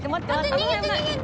逃げて逃げて！